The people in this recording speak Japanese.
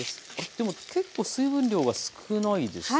でも結構水分量は少ないですね。